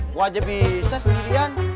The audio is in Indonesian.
gua aja bisa sendirian